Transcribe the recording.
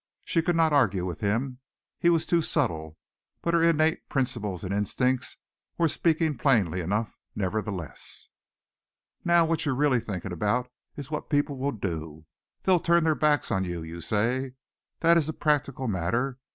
She could not argue with him. He was too subtle, but her innate principles and instincts were speaking plainly enough, nevertheless. "Now what you're really thinking about is what people will do. They'll turn their backs on you, you say. That is a practical matter.